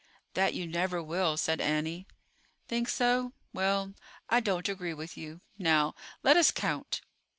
"That you never will," said Annie. "Think so? Well, I don't agree with you. Now, let us count."